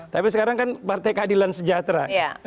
tapi sekarang kan partai keadilan sejahtera